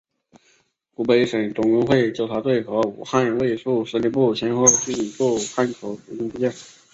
湖北省总工会纠察队和武汉卫戍司令部先后进驻汉口英租界。